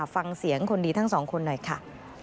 ฟังเสียงคนดีทั้งสองคนหน่อยค่ะ